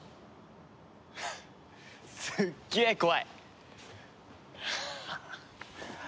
すっげえ怖い！